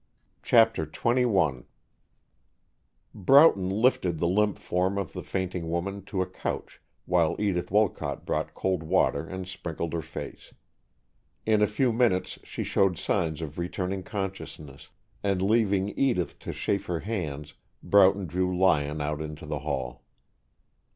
CHAPTER XXI Broughton lifted the limp form of the fainting woman to a couch while Edith Wolcott brought cold water and sprinkled her face. In a few minutes she showed signs of returning consciousness, and leaving Edith to chafe her hands, Broughton drew Lyon out into the hall.